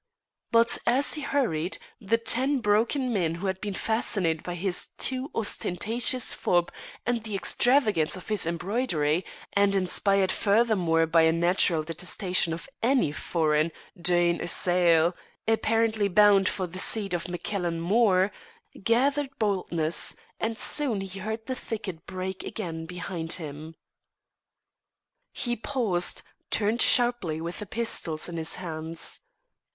But as he hurried, the ten broken men who had been fascinated by his too ostentatious fob and the extravagance of his embroidery, and inspired furthermore by a natural detestation of any foreign duine uasail apparently bound for the seat of MacCailen Mor, gathered boldness, and soon he heard the thicket break again behind him. He paused, turned sharply with the pistols in his hands.